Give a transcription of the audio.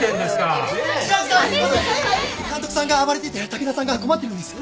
監督さんが暴れてて武田さんが困ってるんです。